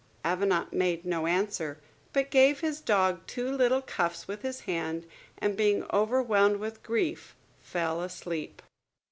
Avenant made no answer, but gave his dog two little cuffs with his hand, and being overwhelmed with grief, fell asleep.